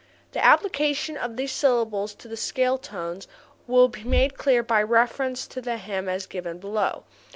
The application of these syllables to the scale tones will be made clear by reference to this hymn as given below.